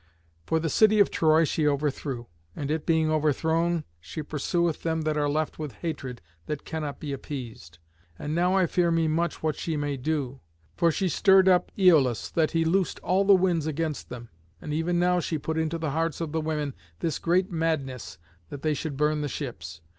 For the city of Troy she overthrew, and, it being overthrown, she pursueth them that are left with hatred that cannot be appeased; and now I fear me much what she may do, for she stirred up Æolus that he loosed all the winds against them; and even now she put into the hearts of the women this great madness that they should burn the ships.